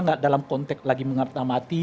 enggak dalam konteks lagi mengertamati